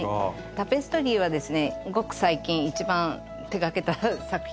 タペストリーはですねごく最近一番手がけた作品なんですけども。